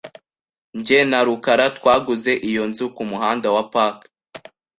Jye na rukara twaguze iyo nzu kumuhanda wa Park .